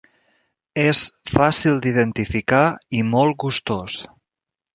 És fàcil d'identificar i molt gustós.